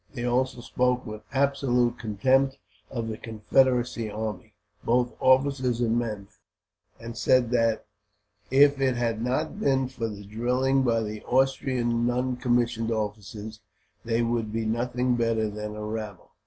They also spoke with absolute contempt of the Confederacy army, both officers and men; and said that, if it had not been for the drilling by the Austrian non commissioned officers, they would be nothing better than a rabble."